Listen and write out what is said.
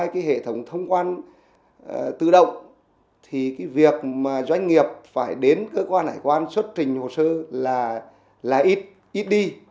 triển khai cái hệ thống thông quan tự động thì cái việc mà doanh nghiệp phải đến cơ quan hải quan xuất trình hồ sơ là ít đi